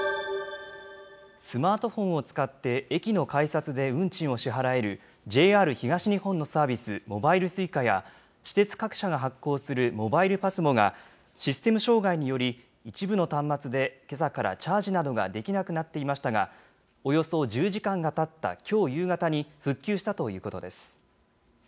スマートフォンを使って駅の改札で運賃を支払える、ＪＲ東日本のサービス、モバイルＳｕｉｃａや、私鉄各社が発行するモバイルＰＡＳＭＯが、システム障害により、一部の端末でけさからチャージなどができなくなっていましたが、およそ１０時間がたったきょう夕方に復旧したということです。